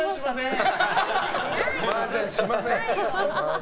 マージャンしません。